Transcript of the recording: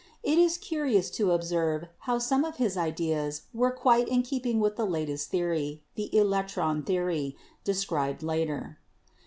It ip curi ous to observe how some of his ideas were quite in keep ing with the latest theory — the electron theory — described later.